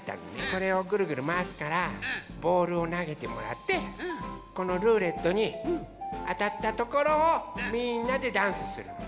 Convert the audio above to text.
これをぐるぐるまわすからボールをなげてもらってこのルーレットにあたったところをみんなでダンスするの。